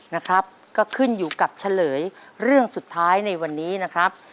นะครับก็ขึ้นอยู่กับเฉลยเรื่องสุดท้ายในวันนี้นะครับ